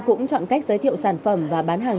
cũng chọn cách giới thiệu sản phẩm và bán hàng